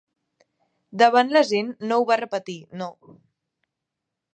Davant la gent no ho va repetir, no.